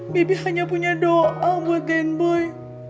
bibi hanya punya doa buat dan boy